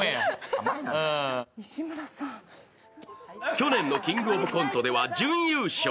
去年の「キングオブコント」では準優勝。